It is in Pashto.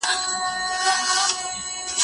زه نان خوړلی دی؟